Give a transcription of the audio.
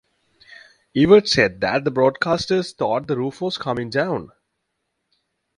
Evert said that the broadcasters "thought the roof was coming down".